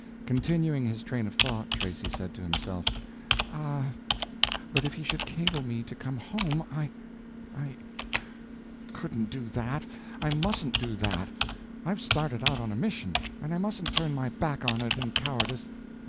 Continuing his train of thought, Tracy said to himself, "Ah, but if he should cable me to come home! I—I—couldn't do that—I mustn't do that. I've started out on a mission, and I mustn't turn my back on it in cowardice.